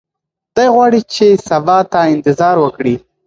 دی غواړي چې سبا ته انتظار وکړي.